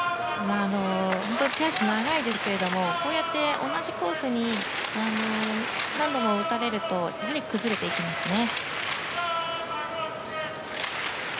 本当に手足が長いんですけれどもこうやって同じコースに何度も打たれるとやはり崩れていきますね。